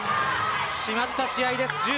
締まった試合です。